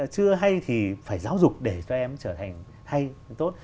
chưa hay thì phải giáo dục để cho em trở thành hay tốt